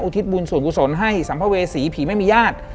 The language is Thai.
ทิศบุญส่วนกุศลให้สัมภเวษีผีไม่มีญาติ